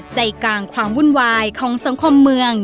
ใจกลางความวุ่นวายของสังคมเมือง